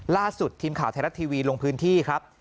ล่าสุดทีมข่าวไทยรัฐทีวีลงพื้นที่ครับ